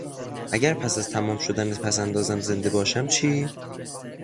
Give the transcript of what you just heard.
اگر پس از تمام شدن پس اندازم زنده باشم چی؟